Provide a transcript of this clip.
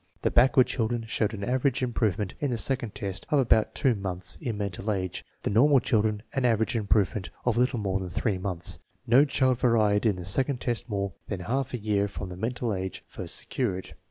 The backward children showed an average im provement in the second test of about two months in mental age, the normal children an average improvement of little more than three months. No child varied in the second test more than half a year from the mental age first secured.